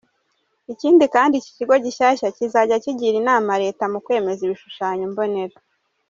Ikindi kandi, iki kigo gishya kizajya kigira inama Leta mu kwemeza ibishushanyo mbonera.